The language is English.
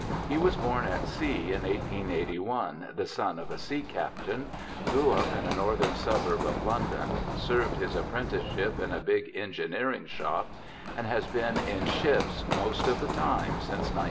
He was born at sea in 1881, the son of a sea captain; grew up in a northern suburb of London, served his apprenticeship in a big engineering shop, and has been in ships most of the time since 1905.